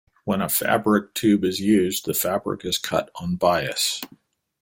When a fabric tube is used, the fabric is cut on bias.